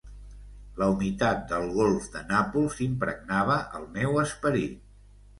La humitat del golf de Nàpols impregnava el meu esperit.